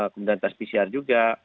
kemudian tes pcr juga